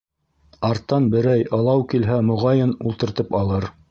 Арттан берәй ылау килһә, моғайын, ултыртып алыр.